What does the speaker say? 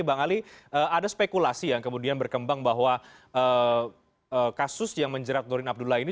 bang ali ada spekulasi yang kemudian berkembang bahwa kasus yang menjerat nurdin abdullah ini